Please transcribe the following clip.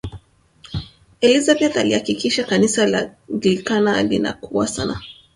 elizabeth alihakikisha kanisa la nglikana linakua sana